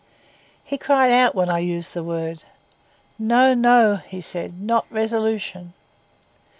He cried out when I used the word. 'No, no,' he said, 'not resolution.